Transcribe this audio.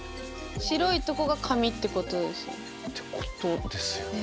白いとこが紙ってことですよね。